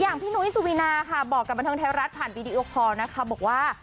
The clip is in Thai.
พี่นุ้ยสุวีนาค่ะบอกกับบันเทิงไทยรัฐผ่านวีดีโอคอลนะคะบอกว่า